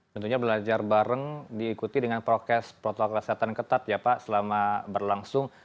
tentunya belajar bareng diikuti dengan protokol kesehatan ketat ya pak selama berlangsung